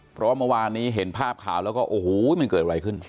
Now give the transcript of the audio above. เพราะเมื่อวานนี้เห็นภาพข่าวแล้วก็โอ้โหมันเกิดอะไรขึ้น